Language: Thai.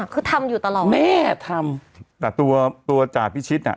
คือทำอยู่ตลอดแม่ทำแต่ตัวตัวจ่าพิชิตอ่ะ